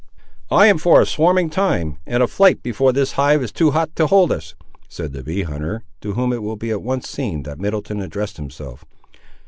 "I am for a swarming time, and a flight before the hive is too hot to hold us," said the bee hunter, to whom it will be at once seen that Middleton addressed himself.